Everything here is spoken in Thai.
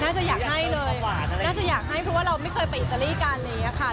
น่าจะอยากให้เลยน่าจะอยากให้เพราะว่าเราไม่เคยไปอิตาลีกัน